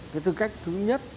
cái tư cách thứ nhất